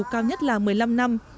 cao nhất là một mươi năm năm